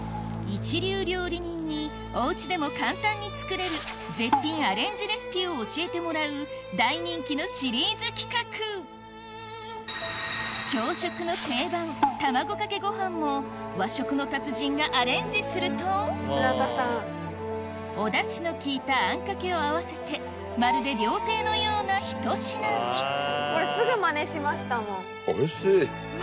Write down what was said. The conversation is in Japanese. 一流料理人におうちでも簡単に作れる絶品アレンジレシピを教えてもらう大人気のシリーズ企画朝食の定番卵かけご飯も和食の達人がアレンジするとおダシの効いたあんかけを合わせてまるで料亭のようなひと品にこれすぐマネしましたもん。